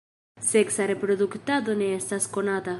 Seksa reproduktado ne estas konata.